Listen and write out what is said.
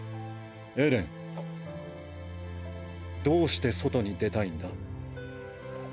どうして外に出たいんだ？